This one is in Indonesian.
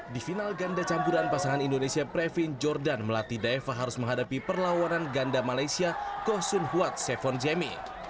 di final ganda campuran pasangan indonesia previn jordan melati daefa harus menghadapi perlawanan ganda malaysia ko sun huat sefon jemi